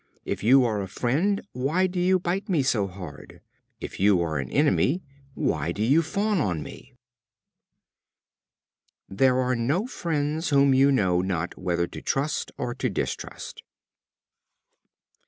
If you are a friend, why do you bite me so hard? If an enemy, why do you fawn on me?" They are no friends whom you know not whether to trust or to distrust.